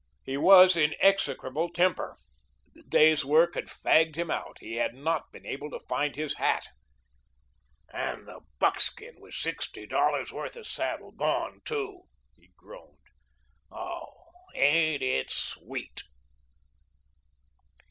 He was in execrable temper. The day's work had fagged him out. He had not been able to find his hat. "And the buckskin with sixty dollars' worth of saddle gone, too," he groaned. "Oh, ain't it sweet?"